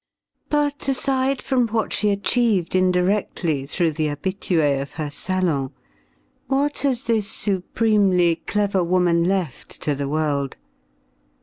But aside from what she achieved indirectly through the habitués of her salon, what has this supremely clever woman left to the world?